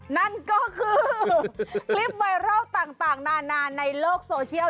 นั่นก็คือคลิปไวรัลต่างนานาในโลกโซเชียล